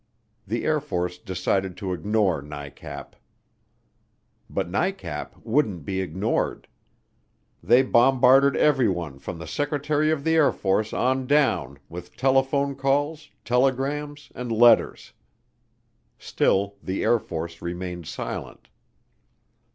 The Air Force decided to ignore NICAP. But NICAP wouldn't be ignored. They bombarded everyone from the Secretary of the Air Force on down with telephone calls, telegrams and letters. Still the Air Force remained silent.